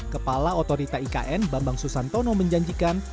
kepala otorita ikn bambang susantono menjanjikan